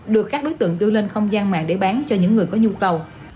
được các đối tượng đưa lên không gian mạng để bán cho những người có nhu cầu